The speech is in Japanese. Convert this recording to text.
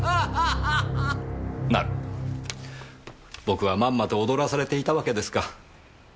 僕はまんまと踊らされていたわけですか。